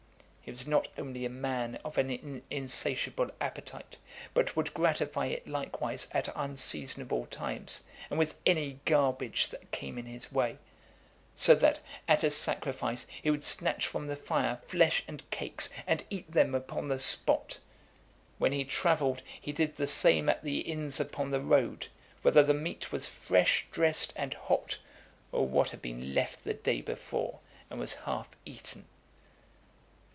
He was not only a man of an insatiable appetite, but would gratify it likewise at unseasonable times, and with any garbage that came in his way; so that, at a sacrifice, he would snatch from the fire flesh and cakes, and eat them upon the spot. When he travelled, he did the same at the inns upon the road, whether the meat was fresh dressed and hot, or what had been left the day before, and was half eaten.